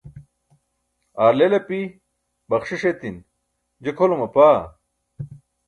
aar leel api, baxṣiṣ etin, je kʰolum apaa